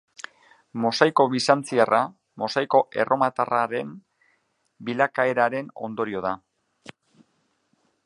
Mosaiko bizantziarra mosaiko erromatarraren bilakaeraren ondorio da.